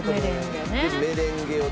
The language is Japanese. メレンゲね。